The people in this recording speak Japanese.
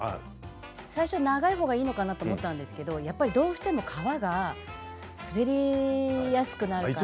最初長いのがいいのかなと思ったんですけどどうしても皮が滑りやすくなるから。